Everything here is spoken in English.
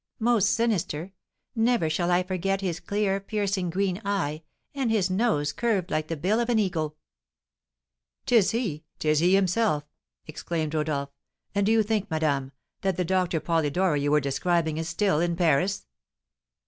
"Most sinister. Never shall I forget his clear, piercing, green eye, and his nose curved like the bill of an eagle." "'Tis he, 'tis he himself!" exclaimed Rodolph. "And do you think, madame, that the Doctor Polidori you were describing is still in Paris?"